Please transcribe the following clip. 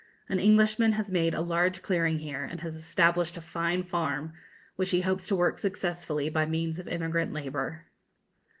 An Englishman has made a large clearing here, and has established a fine farm, which he hopes to work successfully by means of immigrant labour.